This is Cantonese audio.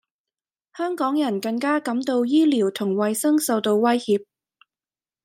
香港人更加感到醫療同衛生受到威脅